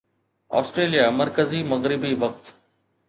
Australia مرڪزي مغربي وقت